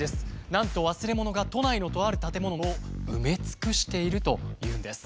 なんと忘れ物が都内のとある建物を埋め尽くしているというんです。